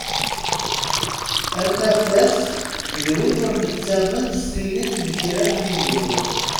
Arnaflas d win ur nettamen s tilin n kra n yillu.